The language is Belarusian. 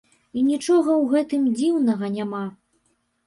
І нічога ў гэтым дзіўнага няма.